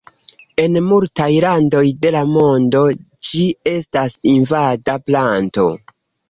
En multaj landoj de la mondo ĝi estas invada planto.